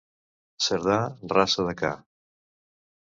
Cerdà, raça de ca.